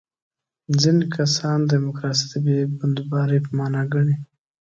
ځینې کسان دیموکراسي د بې بندوبارۍ په معنا ګڼي.